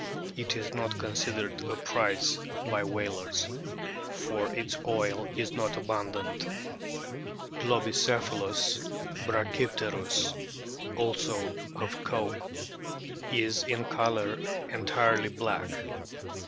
It is not considered a prize by whalers, for its oil is not abundant. Globicephalus brachypteriis, also of Cope,* is in colour entirely black.